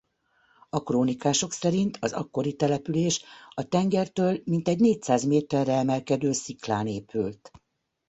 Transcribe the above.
A krónikások szerint az akkori település a tengertől mintegy négyszáz méterre emelkedő sziklán épült.